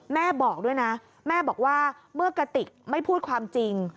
แม่บอกด้วยนะแม่บอกว่าเมื่อกติกไม่พูดความจริง